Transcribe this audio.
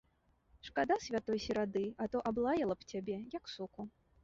Шкада святой серады, а то аблаяла б цябе, як суку!